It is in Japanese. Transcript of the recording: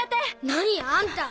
何やあんた。